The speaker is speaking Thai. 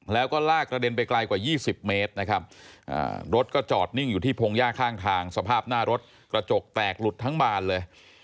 แล้วก็ลากกระเด็นไปไกลกว่า๒๐เมตรนะครับรถก็จอดนิ่งอยู่ที่พงหญ้าข้างทางสภาพหน้ารถกระจกแตกหลุดทั้งบานเลย